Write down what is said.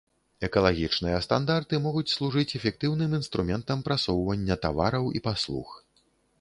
Экалагічныя стандарты могуць служыць эфектыўным інструментам прасоўвання тавараў і паслуг.